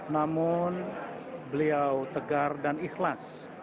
namun beliau tegar dan ikhlas